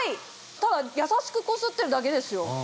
ただ優しくこすってるだけですよ。